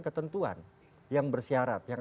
ketentuan yang bersyarat yang